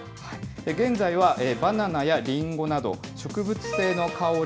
現在はバナナやリンゴなど、植物性の香り